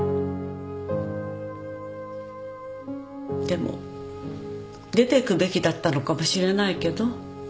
でも出ていくべきだったのかもしれないけど。